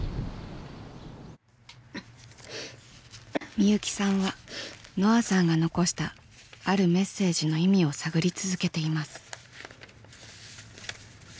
みゆきさんはのあさんが残したあるメッセージの意味を探り続けています。